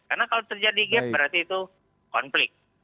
karena kalau terjadi gap berarti itu konflik